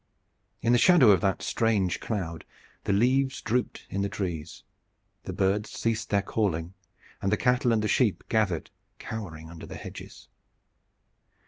In the shadow of that strange cloud the leaves drooped in the trees, the birds ceased their calling, and the cattle and the sheep gathered cowering under the hedges.